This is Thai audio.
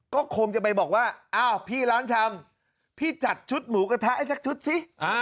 ก็คงจะไปบอกว่าอ้าวพี่ร้านชำพี่จัดชุดหมูกระทะให้สักชุดสิ